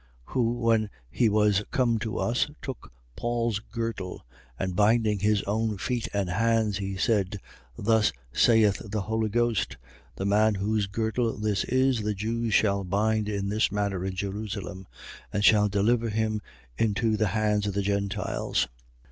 21:11. Who, when he was come to us, took Paul's girdle: and binding his own feet and hands, he said: Thus saith the Holy Ghost: The man whose girdle this is, the Jews shall bind in this manner in Jerusalem and shall deliver him into the hands of the Gentiles.